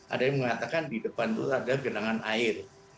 ada yang mengatakan di depan itu ada genangan air